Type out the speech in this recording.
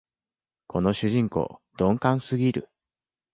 この主人公、鈍感すぎる